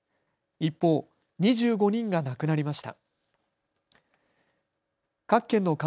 一方、２５人が亡くなりました。